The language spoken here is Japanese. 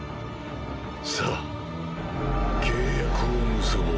さあ契約を結ぼう。